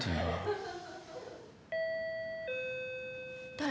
誰？